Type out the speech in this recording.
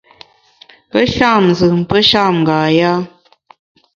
Pe sham nzùm, pe sham nga yâ.